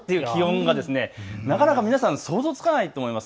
なかなか皆さん想像つかないと思います。